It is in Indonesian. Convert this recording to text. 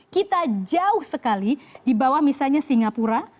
kita jauh sekali di bawah misalnya singapura